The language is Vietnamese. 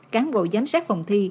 cán bộ giám sát phòng thi